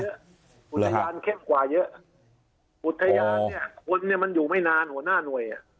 อุทยานเข้มกว่าเยอะอุทยานเนี่ยคนเนี่ยมันอยู่ไม่นานหัวหน้าหน่วยอ่ะ